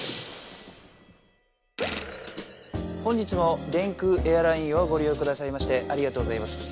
本日も電空エアラインをごりようくださいましてありがとうございます。